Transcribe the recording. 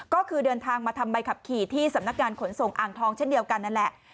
ก็คือเดินทางมาทำใบขับขี่ที่สำนักงานขนส่งอ่างทองเช่นเดียวกันนั่นแหละ